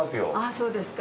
そうですか。